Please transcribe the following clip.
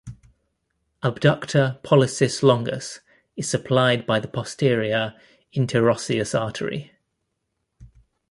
Abductor pollicis longus is supplied by the posterior interosseous artery.